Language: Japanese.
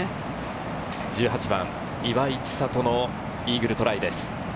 １８番、岩井千怜のイーグルトライです。